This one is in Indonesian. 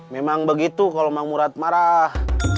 memang begitu kalau mang murad marah